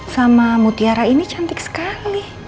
sama mutiara ini cantik sekali